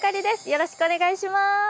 よろしくお願いします。